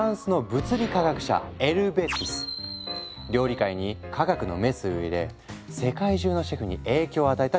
料理界に科学のメスを入れ世界中のシェフに影響を与えた人物だ。